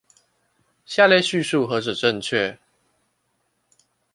下列敘述何者正確？